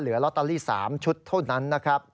ลอตเตอรี่๓ชุดเท่านั้นนะครับ